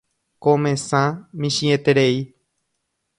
Ko mesa michĩeterei.